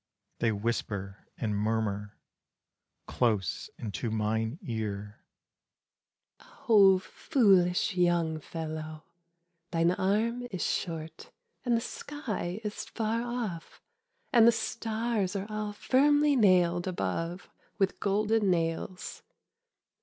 They whisper and murmur Close into mine ear: "Oh foolish young fellow, Thine arm is short and the sky is far off, And the stars are all firmly nailed above With golden nails.